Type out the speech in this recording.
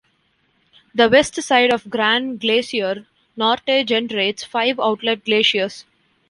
The west side of Gran Glaciar Norte generates five outlet glaciers.